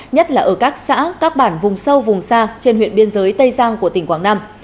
nhất là ở các xã các bản vùng sâu vùng xa trên huyện biên giới tây giang của tỉnh quảng nam